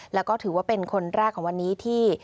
แล้วก็ถือว่าเป็นคนแรกของวันนี้ที่